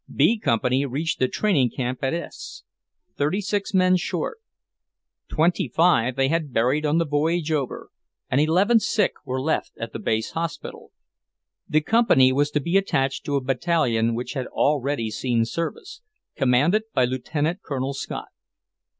V B Company reached the training camp at S thirty six men short: twenty five they had buried on the voyage over, and eleven sick were left at the base hospital. The company was to be attached to a battalion which had already seen service, commanded by Lieutenant Colonel Scott.